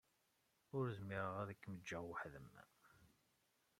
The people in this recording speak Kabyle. Ur zmireɣ ad kem-ǧǧeɣ weḥd-m.